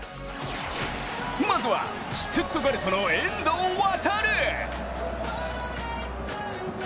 まずはシュツットガルトの遠藤航。